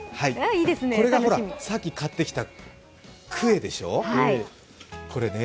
これがほら、さっき買ってきたクエでしょう。